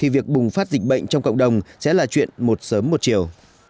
việc bùng phát dịch bệnh trong cộng đồng sẽ là chuyện một sớm một chiều